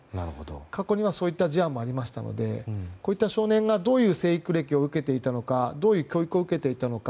過去にはそういった事案もありましたのでこういった少年がどういう成育歴を受けていたのかどういう教育を受けていたのか。